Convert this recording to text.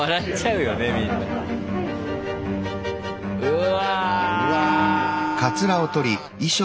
うわ。